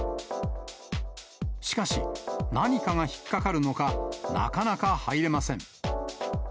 しかし、何かが引っ掛かるのか、なかなか入れません。